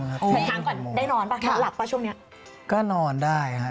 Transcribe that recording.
เออมันคิดไม่ทันอะ